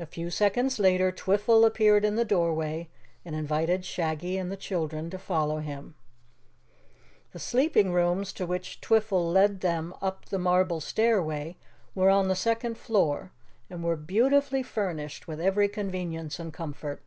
A few seconds later Twiffle appeared in the doorway and invited Shaggy and the children to follow him. The sleeping rooms to which Twiffle led them up the marble stairway were on the second floor and were beautifully furnished with every convenience and comfort.